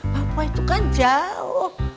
papua itu kan jauh